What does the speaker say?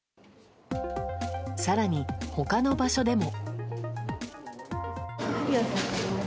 更に、他の場所でも。